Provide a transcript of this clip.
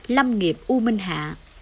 lâm nghiệp u minh hạ